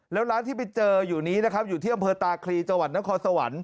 แล้วร้านที่ไปเจออยู่นี้นะครับอยู่ที่อำเภอตาครีจนทสว